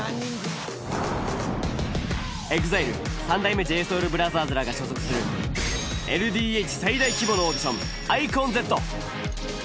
ＥＸＩＬＥ三代目ＪＳＯＵＬＢＲＯＴＨＥＲＳらが所属するＬＤＨ最大規模のオーディションｉＣＯＮＺ。